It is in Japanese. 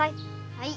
はい。